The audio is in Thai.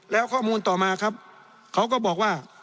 แล้วข้อมูลต่อมาครับเขาก็บอกว่า